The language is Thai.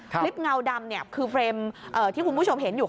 เงาดำคือเฟรมที่คุณผู้ชมเห็นอยู่